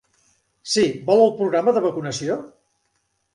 Sí, vol el programa de vacunació?